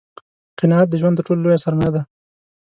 قناعت دژوند تر ټولو لویه سرمایه ده